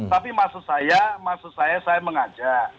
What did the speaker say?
tapi maksud saya maksud saya saya mengajak